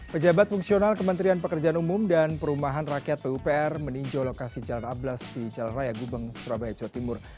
pejabat fungsional kementerian pekerjaan umum dan perumahan rakyat pupr meninjau lokasi jalan ablas di jalan raya gubeng surabaya jawa timur